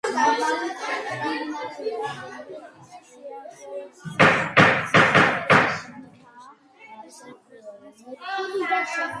მისი ქანდაკებები ღია სივრცეში დგას როგორც საქართველოში, ისე ქვეყნის მიღმა.